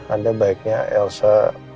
anda baiknya elsa